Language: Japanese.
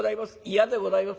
嫌でございます。